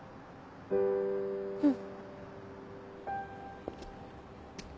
うん。